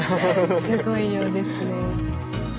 すごい量ですね。